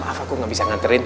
aku gak bisa nganterin